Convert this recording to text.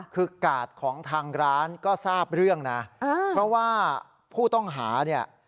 คือกาดของทางร้านก็ทราบเรื่องนะเพราะว่าผู้ต้องหาเนี่ย